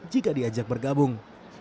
jika diajak bergabung